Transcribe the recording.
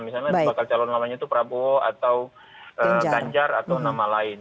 misalnya bakal calon namanya itu prabowo atau ganjar atau nama lain